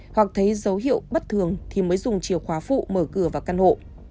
hoặc thấy dấu hiệu bất thường thì mới dùng chiều khóa phụ mở cửa vào căn hộ